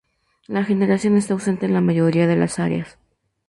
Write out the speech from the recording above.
La regeneración está ausente en la mayoría de las áreas.